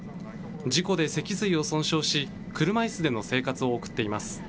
事故で脊髄を損傷し、車いすでの生活を送っています。